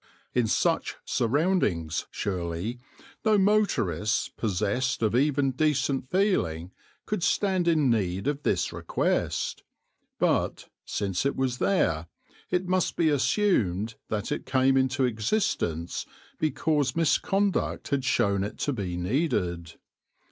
In such surroundings, surely, no motorist possessed of even decent feeling could stand in need of this request; but, since it was there, it must be assumed that it came into existence because misconduct had shown it to be needed.